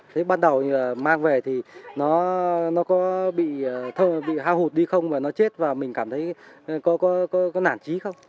thế ban đầu như là mang về thì nó có bị hao hụt đi không và nó chết và mình cảm thấy có nản trí không